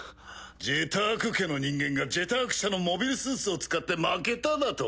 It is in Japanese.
ジェターク家の人間が「ジェターク社」のモビルスーツを使って負けただと？